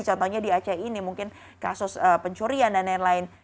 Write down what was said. contohnya di aceh ini mungkin kasus pencurian dan lain lain